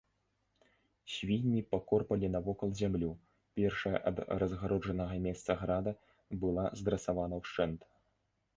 Свінні пакорпалі навокал зямлю, першая ад разгароджанага месца града была здрасавана ўшчэнт.